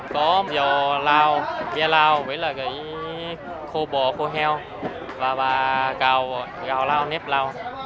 có dầu lào bia lào với khô bò khô heo và gạo lào nếp lào